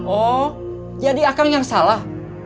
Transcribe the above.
oh jadi akang yang salah